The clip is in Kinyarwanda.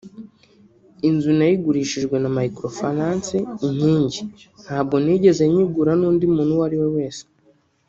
Inzu nayigurishijwe na Microfinance Inkingi ntabwo nigeze nyigura n’undi muntu uwo ari we wese